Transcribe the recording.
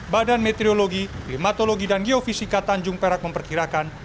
badan meteorologi klimatologi dan geofisika tanjung perak memperkirakan